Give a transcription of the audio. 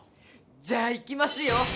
じゃあいきますよ！